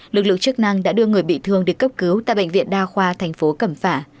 lực lượng chức năng đã đưa người bị thương đi cấp cứu tại bệnh viện đa khoa thành phố cẩm phả